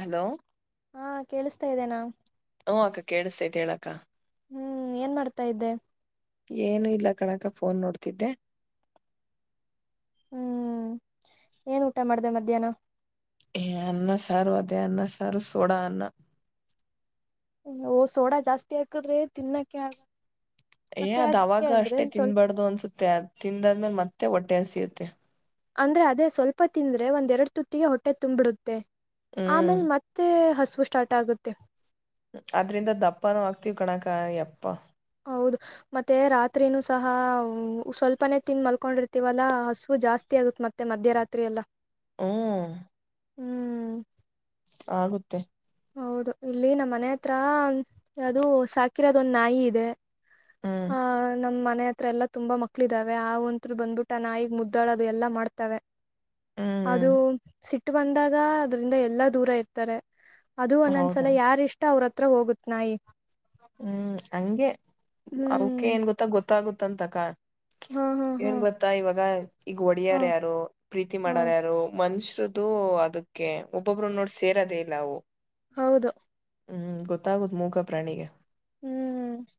Hello ಹಾ ಕೇಳಿಸ್ತಾ ಇದೇನಾ ಹಓ ಅಕ್ಕ ಕೇಳಿಸತೈತ್ ಹೇಳಾಕ್ಕ ಹ್ಮ್ ಏನ್ ಮಾಡ್ತಾ ಇದ್ದೆ ಏನು ಇಲ್ಲ ಕಣಕ ಫೋನ್ ನೋಡ್ತಿದ್ದೆ ಹ್ಮ್ ಏನ್ ಊಟ ಮಾಡ್ದ ಮಧ್ಯಾಹ್ನ ಅನ್ನ ಸಾರು ಅದೇ ಅನ್ನ ಸಾರು ಸೋಡ ಅನ್ನ ಓ ಸೋಡಾ ಜಾಸ್ತಿ ಹಾಕದ್ರೆ ತಿನ್ನಕ್ಕೆ ಆಗ ಏ ಮತ್ತೆ ಅದ್ ಹೆಂಗೆ ಅವಾಗ ಅಂದ್ರೆ ಅಷ್ಟೇ ಒಂದ್ ಸ್ವಲ್ಪ ತಿನ್ಬಾರ್ದು ಅನ್ಸುತ್ತೆ ಅ ತಿಂದಾದ್ಮೇಲೆ ಮತ್ತೆ ಹೊಟ್ಟೆ ಹ ಸಿಯುತ್ತೆ ಅಂದ್ರೆ ಅದೇ ಸ್ವಲ್ಪ ತಿಂದ್ರೆ ಒಂದ್ ಎರಡ್ ತುತ್ತಿಗೆ ಹೊಟ್ಟೆ ತುಂಬಿಡುತ್ತೆ ಹ್ಮ್ ಆಮೇಲ್ ಮತ್ ಮತ್ತೆ ಹಸವು ಸ್ಟಾರ್ಟ್ ಆಗುತ್ತೆ ಅದ್ರಿಂದ ದಪ್ಪಾನೂ ಆಗ್ತಿವ್ ಕಣಕ ಎಪ್ಪ ಹೌದು ಮತ್ತೆ ರಾತ್ರಿನೂ ಸಹ ಸ್ವಲ್ಪನೆ ತಿನ್ ಮಲ್ಕೊಂಡಿರ್ತಿವಲ್ಲಾ ಹಸು ಜಾಸ್ತಿ ಆಗತ್ ಮತ್ತೆ ಮತ್ತೆ ಮಧ್ಯರಾತ್ರಿ ಎಲ್ಲ ಹ್ಮ್ ಹ್ಮ್ ಆಗುತ್ತೆ ಹೌದು ಇಲ್ಲಿ ನಮ್ಮ್ ಮನೆ ಹತ್ರ ಯಾವ್ದೂ ಸಾಕಿರೋದ ಒಂದ್ ನಾಯಿ ಇದೆ ಹ್ಮ್ ಹ ನಮ್ಮ್ ಮನೆ ಹತ್ರ ಎಲ್ಲ ತುಂಬಾ ಮಕ್ಳ ಇದಾವೆ ಆ ಒಂತ್ರು ಬಂದ್ಬಿಟ್ಟ ನಾಯಗ್ ಮುದ್ದಾಡೋದು ಎಲ್ಲಾ ಮಾಡ್ತವೆ ಹ್ಮ್ ಅದು ಸಿಟ್ಟ ಬಂದಾಗ ಅದ್ರಿಂದ ಎಲ್ಲಾ ದೂರ ಇರ್ತಾರೆ ಅದು ಹೌದಾ ಒಂದೊಂದ್ಸಲ ಯಾರ ಇಷ್ಟ ಅವ್ರತ್ರ ಹೋಗುತ್ ನಾಯಿ ಹ್ಮ್ ಹಂಗೆ ಅವಕ ಹ್ಮ್ ಏನ್ ಗೊತ್ತ ಗೊತ್ತಾಗುತ್ತಂತಕ ಹಾ ಹಾ ಹಾ ಏನ್ ಗೊತ್ತಾ ಇವಾಗ ಈಗ ಹಾ ಹೊಡ್ಯಾರ ಯಾರು ಪ್ರೀತಿ ಹಾ ಮಾಡಾರ ಯಾರು ಮನ್ಷರುದು ಅದಕ್ಕೆ ಒಬ್ಬೊಬ್ರು ನೋಡ್ ಸೇರದೇ ಇಲ್ಲ ಅವು ಹೌದು ಹ್ಮ್ ಗೊತ್ತಾಗುತ್ತುದು ಮೂಕ ಪ್ರಾಣಿಗೆ ಹ್ಮ್ ಹಾ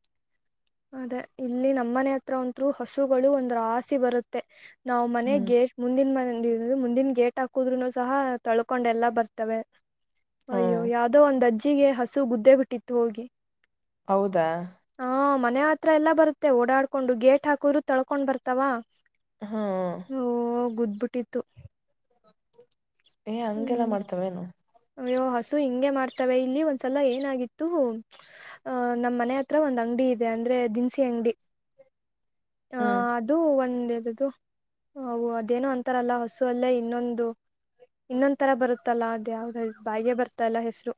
ಅದೇ ಇಲ್ಲಿ ನಮ್ಮನೆ ಹತ್ರ ಒಂತ್ ಹಸುಗಳು ಒಂದ ಆಸಿ ಬರುತ್ತೆ ನಾವು ಮನೆ ಹ್ಮ್ ಗೇಟ್ ಮುಂದಿನ ಮನ ಮುಂದಿನ ಗೇಟ್ ಹಾಕುದ್ರುನು ಸಹ ತಳ್ಕೊಂಡೆಲ್ಲಾ ಬರ್ತವೆ ಹ್ಮ್ ಅಯ್ಯೋ ಯಾವ್ದೋ ಒಂದ್ ಅಜ್ಜಿಗೆ ಹಸು ಗುದ್ದೆ ಬಿಟ್ಟಿತ್ತು ಹೋಗಿ ಹೌದಾ ಹಾ ಮನೆ ಹತ್ರ ಎಲ್ಲಾ ಬರುತ್ತೆ ಓಡಾಡ್ಕೊಂಡು ಗೇಟ್ ಹಾಕ್ರು ತಳ್ಕೊಂಡ್ ಬರ್ತಾವ ಹಾ ಓ ಗದ್ಬಿಟ್ಟಿತ್ತು ಏ ಹಂಗೆಲ್ಲಾ ಹ್ಮ್ ಮಾಡ್ತವೇನು ಅಯ್ಯೋ ಹಸು ಹಿಂಗೆ ಮಾಡ್ತವೆ ಇಲ್ಲಿ ಒಂದ್ಸಲ ಏನಾಗಿತ್ತು ಅಹ ನಮ್ಮ್ ಮನೆ ಹತ್ರ ಒಂದ್ ಅಂಗಡಿ ಇದೆ ಅಂದ್ರೆ ದಿನಸಿ ಅಂಗಡಿ ಆ ಹ್ಮ್ ಅದು ಒಂದದದು ಅದೇನೋ ಅಂತಾರಲ್ಲ ಹಸು ಅಲ್ಲೇ ಇನ್ನೊಂದು ಇನ್ನೊಂದ್ ತರ ಬರುತ್ತಲ್ಲಾ ಅದ್ ಯಾವ್ದ ಬಾಯೇ ಬರ್ತಾಲ್ಲಾ ಹೆಸರು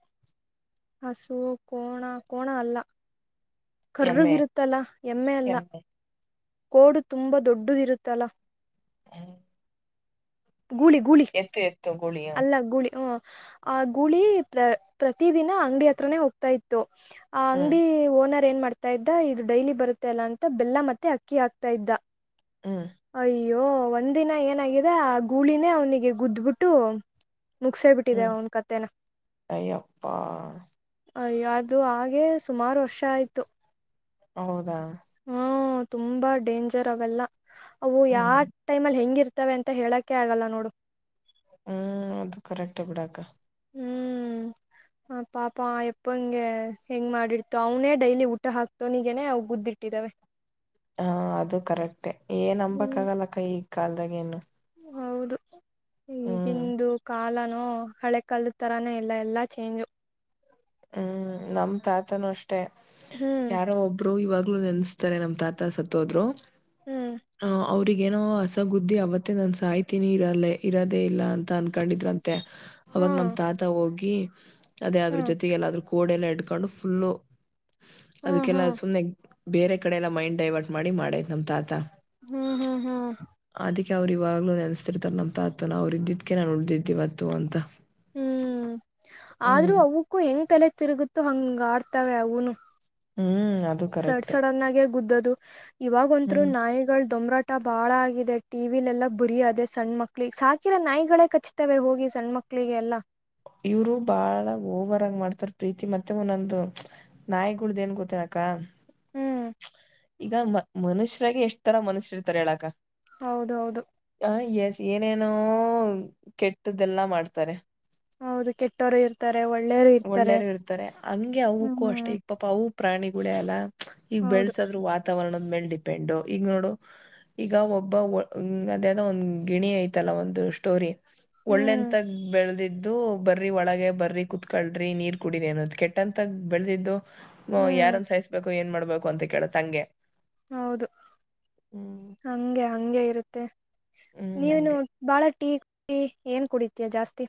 ಹಸು ಕೋಣ ಕೋಣ ಅಲ್ಲ ಎಮ್ಮೆ ಕರ್ರಗಿರುತ್ತಲಾ ಎಮ್ಮೆ ಅಲ್ಲ ಕೋಡು ತುಂಬಾ ದೊಡ್ಡದಿರುತ್ತಲಾ ಹ್ಮ್ ಗೂಳ ಗೂಳ ಗುಳಿ ಅಲ್ಲ ಗುಳಿ ಹ ಆ ಗೂಳಿ ಪ್ರ ಪ್ರತಿ ದಿನ ಅಂಗಡಿ ಹತ್ರನೇ ಹೋಗ್ತಾ ಇತ್ತು ಆ ಹ್ಮ್ ಅಂಗಡಿ ಓನರ್ ಏನ್ ಮಾಡ್ತಾ ಇದ್ದ ಇದು ಡೈಲಿ ಬರುತ್ತೆಲ್ಲಾ ಅಂತ ಬೆಲ್ಲ ಮತ್ತೆ ಅಕ್ಕಿ ಹಾಕ್ತಾ ಇದ್ದ ಹಾ ಅಯ್ಯೋ ಒಂದಿನ ಏನಾಗಿದೆ ಆ ಗೂಳಿನೇ ಅವ್ನಿಗೆ ಗುದ್ಬಿಟ್ಟು ಮುಗಸೇ ಬಿಟ್ಟಿದೆ ಹ್ಮ್ ಅವನ ಕತೆೆನ ಅಯ್ಯಪ್ಪಾ ಅಯ್ಯ ಅದು ಹಾಗೆ ಸುಮಾರು ವರ್ಷ ಆಯ್ತು ಹೌದಾ ಹ್ಮ ತುಂಬಾ ಡೇಂಜರ್ ಅವೆಲ್ಲ ಅವು ಯಾ ಹ್ಮ್ ಟೈಮ ಅಲ್ಲಿ ಹೆಂಗಿರ್ತವೆ ಅಂತ ಹೇಳಕೆ ಆಗಲ್ಲ ನೋಡು ಹ್ಮ್ ಅದು ಕರೆಕ್ಟ್ ಆ ಬಿಿಡಾಕ ಹ ಪಾಪ ಎಪ್ಪಂಗೆ ಹೆಂಗ್ ಮಾಡಿರ್ತು ಅವನೇ ಡೈಲಿ ಊಟ ಹಾಕ್ ಸೊನಿಗೆನನೆ ಅವು ಗುದ್ದಿಟ್ಟಿದಾವೆ ಹ ಅದು ಕರೆಕ್ಟೆ ಏನ್ ಅಂಬಂಬಕ್ ಹ್ಮ್ ಆಗಲ್ಲಕ್ಕ ಈಗ ಕಲ್ದಾಗ ಏನು ಹೌದು ಈಗಿಂದು ಕಾಲನೋ ಹಳೆ ಕಲ್ ತರಾನೇ ಇಲ್ಲ ಎಲ್ಲಾ ಚೇಂಜ್ ಹ್ಮ್ ನಮ ತಾತನುೂ ಅಷ್ಟೇ ಹ್ಮ್ ಯಾರೋ ಒಬ್ಬ ಒರು ಇವಾಗ್ಲೂ ನೆನಸ್ತಾರೆ ನಮ್ ತಾತ ಸತ್ತೋದ್ರು ಹ್ಮ್ ಅವ್ರಗೇಏನೋ ಹೊಸಗುದ್ದಿ ಅವತ್ತೇ ನಾನ ಸಾಯ್ತೀಿನಿ ಇರಲ್ಲೇ ಇರೋದೇ ಇಲ್ಲ ಅಂತ ಅನ್ಕೊಂಡಿದ್ರಂತ ಅವಾಗ ನಮ್ ಹ್ಮ್ ತಾತ ಹೋಗಿ ಅದೇ ಅದ್ರ ಜೊತೆ ಲ್ಲಾದ್ರೂ ಕೋಡೆಲ್ಲ ಇಡ್ಕೊಂಡು ಫುಲ್ಲು ಹ್ಮ್ ಹ್ಮ್ ಅದಕ್ಕೆಲ್ಲ ಸುಮ್ನೆ ಬೇರೆ ಕಡೆ ಎಲ್ಲ ಮೈಂಡ್ ಡೈವರ್ಟ್ ಮಾಡಿ ಮಾಡೇ ನಮ್ ತಾತ ಹ್ಮ್ ಹ್ಮ್ ಹ್ಮ್ ಅದಕ್ಕೆ ಅವ್ ಇವಾಗ್ಲೂ ನೆನಸ್ತಿರ್ತಾರ ನಮ್ಾ ಅತ್ ನ ಅವ್ ಇದಿದ್ಕೆ ನಾು ಉಳ್ದಿದ್ದಿವವ ಅತ್ತು ಅಂತ ಹ್ಮ್ ಆದ್ರೂ ಹ್ಮ್ ಅವಕ್ಕೂ ಹೆಂಗ್ ತಲೆ ತಿರುಗುತ್ತು ಹಂಗ ಆಡ್ತಾವ ಅವನು ಹ್ಮ್ ಅದು ಸಡ್ ಕರೆಕ್ಟ್ ಸಡನ್ ಆಾಗೆ ಗುದ್ದದು ಇವಾಗ ಒಂತ್ರು ಹ್ಮ್ ನಾಯಿಗಳು ದೊಮ್ರಾಟ್ ಊ ಬಾಳ ಆಗಿದೆ ಟಿವಿಲೆಲ್ಲ ಬುರಿ ಅದೆ ಸಣ್ಣ ಮಕ್ಳು ಈ ಸಾಕಿರ ನಾಯಿಗಳೇ ಕಚ್ತವೆ ಹೋಗಿ ಸಣ್ಣ ಮಕ್ಳು ಮಕ್ಕಳಿಗೆ ಎಲ್ಲ ಇವರು ಬಾಳ ಓವರ್ಗ ಮಾಡ್ತಾರ ಪ್ರೀತಿ ಮತ್ತೆ ಒಂದೊಂದು ನಾಯಿಕುಡ್ದ ಏನ್ ಗೊತ್ತನಕ್ಕ ಹ್ಮ್ ಈಗ ಮ ಮನುಷ್ಯರಾಗ ಎಷ್ಟ್ ತರ ಮನುಷ್ಯರು ಇರ್ತಾರೆ ಹೇಳಾಕ್ಕ ಹೌದೌದು ಹ ಎಸ್ ಏನೇನೋ ಕೆಟ್ಟ್ದೆಲ್ಲಾ ಮಾಡ್ತಾರೆ ಹೌದು ಕೆಟ್ಟೋರು ಇರ್ತಾರೆ ಒಳ್ಳೆಯರು ಇರ್ತಾರೆ ಒಳ್ಳೇರು ಇರ್ತಾರೆ ಹಂಗೆ ಹ್ಮ್ ಅವಕ್ಕೂ ಅಷ್ಟೇ ಹ್ಮ್ ಈಗ ಪಾಪ ಅವು ಪ್ರಾಣಿಗಳೇ ಅಲ್ಲ ಈಗ ಹೌದು ಬೆಳಸದ್ರು ವಾತಾವರಣದ ಮೇಲ್ ಡಿಪೆಂಡ್ ಈಗ ನೋಡು ಈಗ ಒಬ್ಬ ಅದೇದೋ ಒಂದು್ ಗಿಣಿ ಐತಲ್ಲ ಒಂದು ಸ್ಟೋರಿ ಹ್ಮ್ ಒಳ್ಳೆಂತಾಗ ಬೆಳೆದಿದ್ದು ಬರಿ ಒಳಗ ಬರ್ರಿ ಕುೂತ್ಕಳ್ರಿ ನೀರ್ ಕುಡರಿ ಅನ್ನೋದು ಕೆಟ್ಟಂತ ಬೆಳೆದಿದ್ದು ಹ ಹ್ಮ್ ಯಾರನ್ ಸಾಯಿಸ್ಬೇಕು ಏನ್ ಮಾಡ್ಬೇಕು ಅಂತ ಕೇಳ ತಂಗೆ ಹೌದು ಹಂಗೆ ಹಗೆ ಇರುತ್ತೆ ಹ್ಮ್ ನೀವನು ಹಂಗೆ ಬಾಳ ಟೀ ಟೀ ಏನ್ ಕುಡಿತಯ ಜಾಸ್ತಿ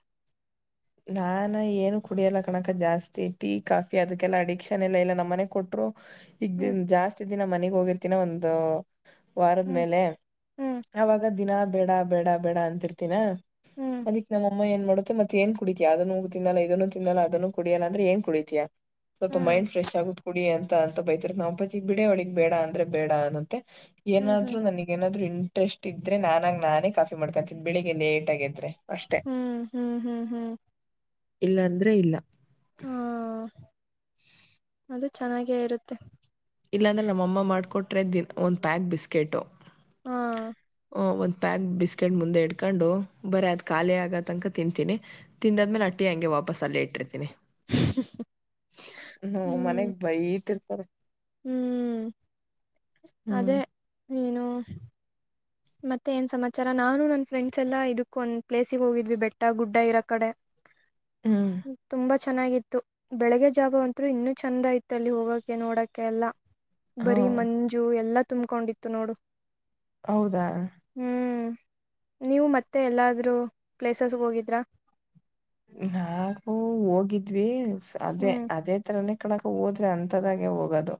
ನಾನ ಏನು ಕುಡಿಯಲ್ಲ ಕಣಕ ಜಾಸ್ತಿ ಟೀ ಕಾಫಿ ಅದಕ್ಕೆಲ್ಲ ಅಡಿಕ್ಷನ್ ಎಲ್ಲ ಇಲ್ಲ ನಮ್ಮನೆ ಕೊಟ್ರು ಈಗ ಹ್ಮ್ ದನ್ ಜಾಸ್ತಿ ದಿನ ಮನೆಗ್ ಹೋಗಿರ್ತಿನ ಒಂದು ಹ್ಮ್ ವಾರದ್ಮೇಲೆ ಹ್ಮ್ ಅವಾಗ ದಿನ ಬೇಡ ಬೇಡ ಬೇಡ ಅಂತಿರ್ತೀಿನ ಹ್ಮ್ ಅದಿಕ್ ನಮ್ಮಅಮ್ಮ ಏನ್ ಮಾಡುತ್ತೆ ಮತ್ತ ಏನ್ ಕುಡಿತೀಯ ಅದನ್ನು ತಿನ್ನಲ್ಲ ಇದನ್ನು ತಿನ್ನಲ್ಲ ಅದನ್ನು ಕುಡಿಯ್ಯಲ್ಲ ಅಂದ್ರೆ ಏನ್ ಕುಡಿತಿಯಾ ಸ್ವಲ್ಪ ಹ್ಮ್ ಮೈಂಡ್ ಫ್ರೆ್ಗತ್ ಕುಡಿ ಅಂತ ಅಂತ ಬೈತಿರ ನಾವು ಅಬಾಜಿ ಬಿಡೋಳಗ್ ಬೇಡ ಅಂದ್ರೆ ಬೇಡ ಅನ್ನಂತೆ ಹ್ಮ್ ಏನಾದ್ರು ಹ್ಮ್ ನನ ಏನಾದ್ರು ಇಂಟ್ರೆಸ್ಟ್ ಇದ್ರೆ ನಾನಾಗ ನಾನೇ ಕಾಫಿ ಮಾಡ್ಕೊತಿದ್ದ್ ಬೆಳಿಗ್ ಲೇಟ್ ಆಗಿದ್ರೆ ಅಷ್ಟೆ ಹ್ಮ್ ಹ್ಮ್ ಹ್ಮ್ ಹ್ಮ್ ಇಲ್ಲ ಅಂದ್ರೆ ಇಲ್ಲ ಹ್ಮ ಅದು ಚೆನ್ನಾಗೇ ಇರುತ್ತೆ ಇಲ್ಲಾಂದ್ರೆ ನಮ್ಮಅಮ್ಮ ಮಾಡ್ಕೊಟ್ರೆ ದ ಒಂದ್ ಪ್ಯಾಕ್ ಬಿಸ್ಕೆಟು ಹ್ಮ ಹ ಒಂದು ಪ್ಯಾಕ್ ಬಿಸ್ಕೆಟ್ ಮುಂದೆ ಇಡ್ಕೊಂಡು ಬರೀ ಅದು ಖಾಲಿ ಆಗ ತನಕ ತಿಂತೀನಿ ತಿಂದಾದ್ಮೇಲೆ ಅಟ್ಟಿ ಹಂಗೆ ವಾಪಸ್ ಅಲ್ಲಿ ಇಟ್ಟಿರ್ತೀನಿ ನ ಹ್ಮ್ ಮನೆಗ್ ಬೈತಿ ಇರ್ತಾರೆ ಹ್ಮ್ ಅದೇ ಹ್ಮ್ ನೀನು ಮತ್ತೆ ಏನ್ ಸಮಾಚಾರ ನಾನು ನನ್ ಫ್ರೆಂಡ್ಸ್ ಎಲ್ಲಾ ಇದಕ್ಕ ಒಂದ್ ಪ್ಲೇಸಿಗೆ ಹೋಗಿದ್ವಿ ಬೆಟ್ಟ ಗುಡ್ಡ ಇರೋ ಕಡೆ ಹ್ಮ ತುಂಬಾ ಚೆನ್ನಾಗಿತ್ತು ಬೆಳಿಗ್ಗೆ ಜಾವ ಅಂತರು ಇನ್ನೂ ಚೆಂದಯಿತ್ತು ಅಲ್ಲಿ ಹೋಗೋಕೆ ನೋಡಕ್ಕೆ ಎಲ್ಲ ಹಾ ಬರಿ ಮಂಜು ಎಲ್ಲಾ ತುಂಬ್ಕೊಂಡಿತ್ತು ನೋಡು ಹೌದಾ ಹ್ಮ್ ನೀವು ಮತ್ತೆ ಎಲ್ಲಾದ್ರೂ ಪ್ಲೇಸಸ್ಗ ಹೋಗಿದ್ರಾ ನಾವು ಹೋಗಿದ್ವಿ ಅದೇ ಹ್ಮ್ ಅದೇ ತರನೆ ಕಡಕ ಹೋದ್ರೆ ಅಂಥದಾಗೆ ಹೋಗೋದು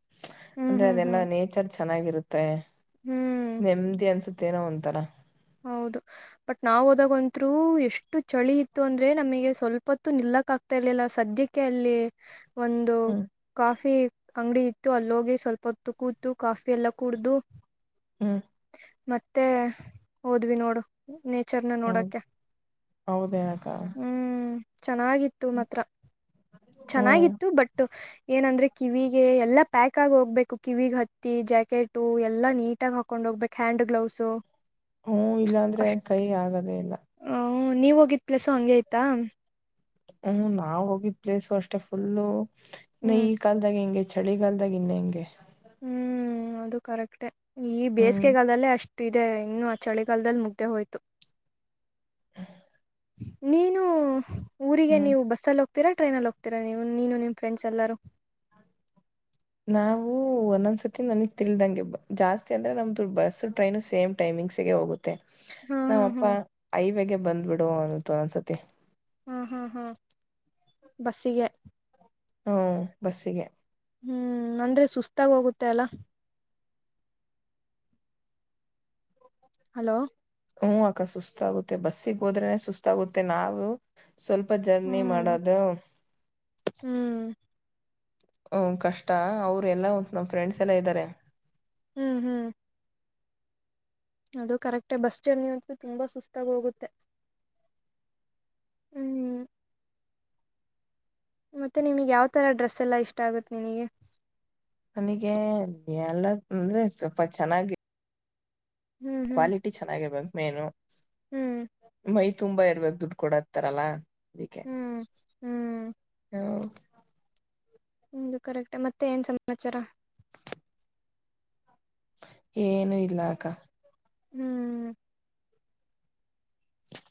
ಹ್ಮ್ ಅಂದ್ರೆ ಹ್ಮ್ ಅದೆಲ್ಲಾ ಹ್ಮ್ ನೇಚರ್ ಚೆನ್ನಾಗಿರುತ್ತೆ ಹ್ಮ್ ನೆಮ್ಮದಿ ಅನ್ಸುತ್ತೇನೋ ಒಂಥರಾ ಹೌದು ಬಟ್ ನಾವ್ ಹೋದಾಗ ಅಂತ್ರು ಎಷ್ಟು ಚಳಿ ಇತ್ತು ಅಂದ್ರೆ ನಮಗೆ ಸ್ವಲ್ಪತ್ತು ನಿಲ್ಲಕ್ ಆಗ್ತ ಇರಲಿಲ್ಲಾ ಸದ್ಯಕ್ಕೆ ಅಲ್ಲಿ ಒಂದು ಹ್ಮ್ ಕಾಫಿ ಅಂಗಡಿ ಇತ್ತು ಅಲ್ಲೋಗಿ ಸ್ವಲ್ಪ ಹೊತ್ತು ಕೂತು ಕಾಫಿ ಎಲ್ಲಾ ಕೂಡ್ದು ಹ್ಮ್ ಮತ್ತೆ ಹೋದ್ವಿ ನೋಡು ನೇಚರ್ ನ ಹೌದು ನೋಡಕೆ ಹೌದೇನಕ್ಕ ಹ್ಮ್ ಚೆನ್ನಾಗಿತ್ತು ಮಾತ್ರ ಹ್ಮ್ ಚೆನ್ನಾಗಿತ್ತು ಬಟ್ ಏನಂದ್ರೆ ಕಿವಿಗೆ ಎಲ್ಲಾ ಪ್ಯಾಕ್ ಆಗ ಹೋಗ್ಬೇಕು ಕಿವಿಗ ಹತ್ತಿ ಜಾಕೆಟು ಎಲ್ಲಾ ನೀಟ್ ಆಗ ಹಾಕ್ ಕೊಂಡ ಹೋಗ್ಬೇಕ ಹ್ಯಾಂಡ್ ಗ್ಲೌಸು ಹ್ಮ ಇಲ್ಲಾಂದ್ರೆ ಕೈ ಆಗದೆೇ ಇಲ್ಲ ಹ್ಮ್ ನೀವ್ ಹೋಗಿದ ಪ್ಲೆಸು ಹಂಗೆ ಇತ್ತಾ ಹ್ಮ್ ನಾವ ಹೋಗಿದ್ ಪ್ಲೇಸು ಅಷ್ಟೆ ಫುಲ್ಲು ಇನ್ನ ಹ್ಮ್ ಈಗ ಕಾಲ್ದಗೆ ಹಿಂಗೆ ಚಳಿಗಾಲ್ದ ಇನ್ನ ಹೆಂಗೆ ಹ್ಮ್ ಅದು ಕರೆಕ್ಟೆ ಈ ಹ್ಮ್ ಬೇಸಿಗೆಗಾಲದಲ್ಲೇ ಅಷ್ಟ ಇದೆ ಇನ್ನೂ ಆ ಚಳಿಗಾಲದಲ್ಲಿ ಮುಗದ್ದೆ ಹೋಯ್ತು ಹ್ಮ ನೀನು ಊರಿಗೆ ಹ್ಮ್ ನೀವು ಬಸ್ಸಲ್ಲ ಹೋಗ ತೀರ ಟ್ರೈನಲ್ಲಿ ಹೋಗ್ತಿರ ನೀನು ನಿಮ್ಮ ಫ್ರೆಂಡ್ಸ್ ಎಲ್ಲಾರೂ ನಾವು ಒಂದೊಂದ್ಸತಿ ನನಗ್ ತಿಳದಂಗೆ ಜಾಸ್ತಿ ಅಂದ್ರೆ ನಮ್ದು ಬಸು ಟ್ರೈನು ಸೇಮ್ ಟೈಮಿಂಗ್ಸಗೆ ಹೋಗುತ್ತೆ ಹಾ ತ್ತೆ ನಮ್ಮ ಹಾ ಅಪ್ಪ ಹಾ ಐವೇಗ ಬಂದ್ಬಿಡು ಅನ್ನುತ್ತೆ ಒಂದ್ ಒಂದ್ ಸತಿ ಹ್ಮ್ ಹ್ಮ್ ಹ್ಮ್ ಬಸ್ಸಿಗೆ ಹ್ಮ್ ಬಸ್ಸಿಗೆ ಹ್ಮ್ ಅಂದ್ರೆ ಸುಸ್ತಾಗ ಹೋಗುತ್ತೆ ಅಲ್ಲಾ ಹಲೋ ಹ್ಮ್ ಅಕ್ಕ ಸುಸ್ತಾಗುತ್ತೆ ಬಸ್ಸಿಗೆ ಹೋದ್ರೆನೆ ಸುಸ್ತಾಗುತ್ತೆ ನಾವು ಸ್ವಲ್ಪ ಜರ್ನಿ ಹ್ಮ್ ಮಾಡದು ಹ್ಮ್ ಹ್ಮ್ ಕಷ್ಟ ಅವ್ರು ಎಲ್ಲ ನಮ್ಮ ಫ್ರೆಂಡ್ಸ್ ಎಲ್ಲ ಇದ್ದಾರೆ ಹ್ಮ್ ಹ್ಮ್ ಅದು ಕರೆಕ್ಟ ಬಸ್ ಜರ್ನಿ ಅಂತೂ ತುಂಬಾ ಸುಸ್ತಾಗ ಹೋಗುತ್ತೆ [unintelligible] ಹ್ಮ್ ಮತ್ತೆ ನಿಮಗ್ ಯಾವ ತರ ಡ್ರೆಸ್ ಎಲ್ಲಾ ಇಷ್ಟ ಆಗುತ್ತೆ ನಿನಿಗೆ ನನಿಗೆ ಎಲ್ಲ ಅಂದ್ರೆ ಸ್ವಲ್ಪ ಚೆನ್ನಾಗಿ ಹ್ಮ್ ಹ್ಮ್ ಕ್ವಾಲಿಟಿ ಚೆನ್ನಾಗಿರಬೇಕ ಮೇನು ಹ್ಮ್ ಮೈ ತುಂಬಾ ಇರಬೇಕ್ ದುಡ್ಡು ಕೊಡತ್ತಾರಲ್ಲ ಇದಕ್ಕೆ ಹ್ಮ್ ಹ್ಮ್ ಹ ನಿಮ್ದು ಕರೆಕ್ಟೆ ಮತ್ತೆ ಏನ್ ಸಮಾಚಾರ ಏನು ಇಲ್ಲ ಅಕ್ಕ. ಹ್ಮ್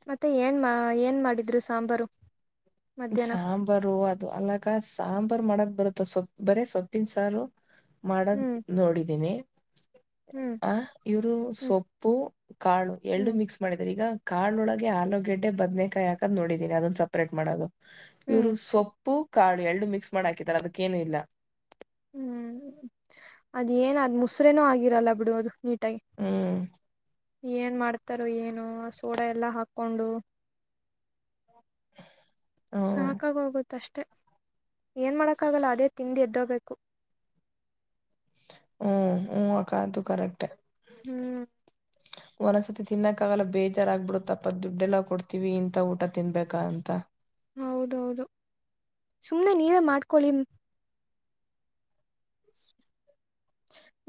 ಮತ್ತೆ ಏನ್ ಮಾ ಏನ್ ಮಾಡಿದ್ರು ಸಾಂಬಾರು. ಮಧ್ಯಾಹ್ನ ಸಾಂಬಾರು ಅದು ಅಲ್ಲಕ್ಕ ಸಾಂಬಾರು ಮಾಡಕ್ ಬರುತ್ತ ಸೊಪ್ಪ ಬರೇ ಸೊಪ್ಪಿನ ಸಾರು. ಮಾಡ ಹ್ಮ್ ನೋಡಿದೀನಿ. ಹ್ಮ್ ಆ ಇವ್ರು ಹ್ಮ್ ಸೊಪ್ಪು ಕಾಳು ಎರಡು ಹ್ಮ್ ಮಿಕ್ಸ್ ಮಾಡಿದ. ಈಗ ಕಾಲ್ನೊಳಗೆ ಆಲೂಗೆಡ್ಡೆ ಬದ್ನೆ ಕಾಯಿ ಹಾಕೋದು ನೋಡಿದಿನಿ ಅದನ್ ಸಪ್ರೇಟ್ ಮಾಡೋದು. ಹ್ಮ್ ಇವ್ರು ಸೊಪ್ಪು ಕಾಳು ಎರಡು ಮಿಕ್ಸ್ ಮಾಡ್ ಹಾಕಿದಾರೆ ಅದ್ಕೇನು ಇಲ್ಲ. ಹ್ಮ್ ಅದೇ ಏನು ಅದು ಮುಸ್ರೇನು ಆಗಿರಲ್ಲ ಬಿಡು ಅದು ನೀಟಾಗಿ. ಹ್ಮ ಏನ್ ಮಾಡ್ತಾರೋ ಏನು ಆ ಸೋಡಾ ಎಲ್ಲಾ ಹಾಕೊಂಡು. ಹ್ಮ್ ಸಾಕಾ ಆಗಿ ಹೋಗುತ್ತ ಅಷ್ಟೆ ಏನ್ ಮಾಡಕ್ಕ ಆಗಲ್ಲ ಅದೇ ತಿಂದು ಎದ್ದ ಹೋಗಬೇಕು. ಹ್ಮ್ ಹ್ಮ್ ಅಕ್ಕ ಅದು ಕರೆಕ್ಟ್. ಹ್ಮ್ ಒಂದ್ಸತಿ ತಿನ್ನಕ್ಕ ಆಗಲ್ಲ ಬೇಜಾರಾಗಗ್ಬಿಡುತ್ತಪ್ಪ ದುಡ್ಡೆಲ್ಲ ಕೊಡ್ತೀವಿ ಇಂತ ಊಟ ತಿನ್ಬೇಕಾ ಅಂತ. ಹೌದೌದು ಸುಮ್ನೆ ನೀವೇ ಮಾಡ್ಕೊಳ್ಳಿ.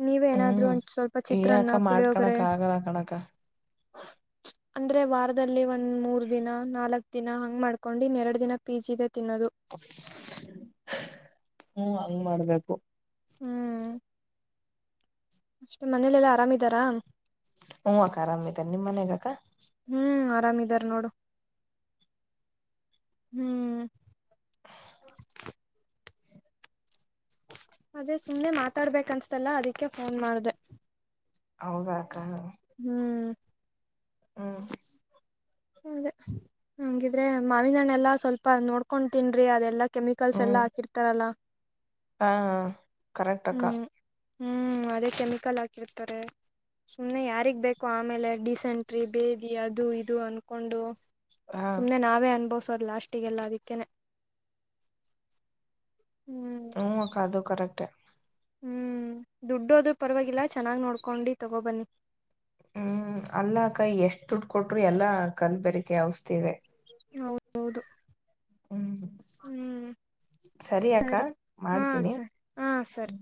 ನೀವೇ ಏನಾದ್ರು ಹ್ಮ್ ಒಂದ್ ಸ್ವಲ್ಪ ಏ ಅಕ್ಕ ಚಿತ್ರಾನ್ನ ಮಾಡ್ಕಣಕ ಪುಳಿಯೋಗರೆ ಆಗಲ್ಲ ಕಣ್ಣಕ್ಕ. ಅಂದ್ರೆ ವಾರದಲ್ಲಿ ಒಂದ್ ಮೂರ್ ದಿನ ನಾಲ್ಕ್ ದಿನ ಹಂಗ್ ಮಾಡ್ಕೊಂಡು ಇನ್ನೆರಡು ದಿನ ಪಿ ಜಿ ದ ತಿನ್ನೋದು. ಹ್ಮ್ ಹಂಗ ಮಾಡ್ಬೇಕು ಹ್ಮ್ [unintelligible] ಅಷ್ಟೇ ಮನೇಲೆಲ್ಲಾ ಆರಾಮ ಇದರ. ಹೂ ಅಕ್ಕ ಅರಮಿದರೆ ನಿಮ್ ಮನೆಯಾಗ ಅಕ್ಕ. ಹ್ಮ್ ಆರಾಮಿದಾರ ನೋಡು ಹ್ಮ್. [inaudible] ಅದೇ ಸುಮ್ನೆ ಮಾತಾಡ್ಬೇಕ ಅನ್ಸ್ತಲ್ಲಾ ಅದಿಕ್ಕೆ ಫೋನ್ ಮಾಡ್ದ. ಹೌದಕ್ಕ. ಹ್ಮ್ ಹ್ಮ ಅದೇ ಹಂಗಿದ್ರೆ ಮಾವಿ ಹಣ್ಣೆಲ್ಲ ಎಲ್ಲಾ ಸ್ವಲ್ಪ ನೋಡ್ಕೊಂಡ ತಿನ್ರಿ ಅದೆಲ್ಲಾ. ಕೆಮಿಕಲ್ಸ್ ಎಲ್ಲ ಹ್ಮ್ ಹಾಕಿರ್ತಾರಲ್ಲಾ. ಹಾ ಕರೆಕ್ಟ್ ಅಕ್ಕ ಹ್ಮ್ ಹ್ಮ್ ಅದೇ ಕೆಮಿಕಲ್ ಹಾಕಿರ್ತಾರೆ. ಸುಮ್ನೆ ಯಾರಿಗ್ ಬೇಕು ಆಮೇಲೆ ಡೀಸೆಂಟ್ರಿ ಬೇದಿ ಅದು ಇದು ಅನ್ಕೊಂಡು. ಹಾ ಸುಮ್ನೆ ನಾವೇ ಅನುಭವ ಸೋಡು ಲಾಸ್ಟಿಗೆಲ್ಲ ಅದಿಕ್ಕೇನೆ. ಹ್ಮ್ ಅಕ್ಕ ಅದು ಕರೆಕ್ಟೆ. ಹ್ಮ್ ದುಡ್ಡು ಹೋದ್ರು ಪರವಾಗಿಲ್ಲ ಚೆನ್ನಾಗ್ ನೋಡ್ಕೊಂಡು ತಗೋ ಬನ್ನಿ. ಹ್ಮ್ ಅಲ್ಲಾ ಅಕ್ಕ ಎಷ್ಟ್ ದುಡ್ಡು ಕೊಟ್ರು ಎಲ್ಲಾ ಕಲ್ಬೇರಿಕೆ ಔಷಧಿನೇ. ಹೌದೌದು. ಹ್ಮ್ ಹ್ಮ್ ಸರಿಯಕ್ಕ ಮಾಡ್ತೀನಿ. ಹ್ಹಾ ಸರಿ.